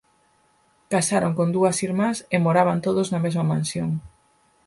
Casaron con dúas irmás e moraban todos na mesma mansión.